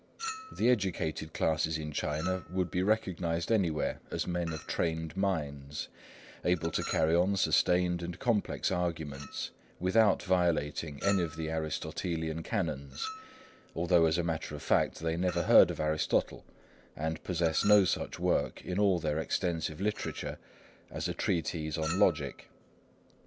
The educated classes in China would be recognised anywhere as men of trained minds, able to carry on sustained and complex arguments without violating any of the Aristotelian canons, although as a matter of fact they never heard of Aristotle and possess no such work in all their extensive literature as a treatise on logic.